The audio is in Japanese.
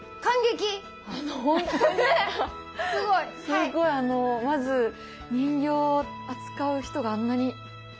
すごいまず人形を扱う人があんなにいるんだって。